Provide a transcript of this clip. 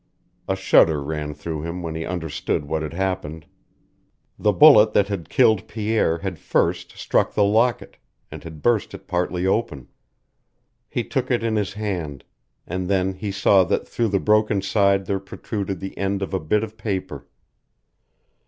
A shudder ran through him when he understood what had happened. The bullet that had killed Pierre had first struck the locket, and had burst it partly open. He took it in his hand. And then he saw that through the broken side there protruded the end of a bit of paper.